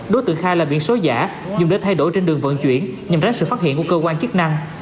đối tượng khai là biển số giả dùng để thay đổi trên đường vận chuyển nhằm tránh sự phát hiện của cơ quan chức năng